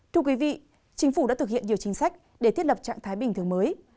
thưa quý vị chính phủ đã thực hiện nhiều chính sách để thiết lập trạng thái bình thường mới